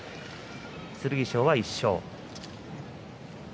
剣翔は１勝。